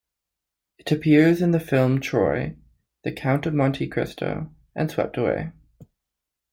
It appears in the films "Troy", "The Count Of Monte Cristo" and "Swept Away".